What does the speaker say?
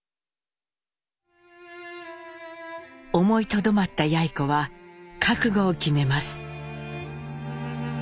思いとどまったやい子は覚悟を決めます。